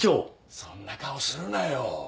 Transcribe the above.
そんな顔するなよ！